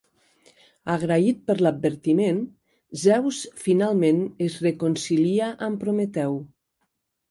Agraït per l'advertiment, Zeus finalment es reconcilia amb Prometeu.